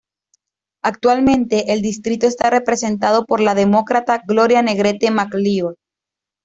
Actualmente el distrito está representado por la Demócrata Gloria Negrete McLeod.